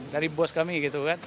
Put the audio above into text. dari bos kami gitu kan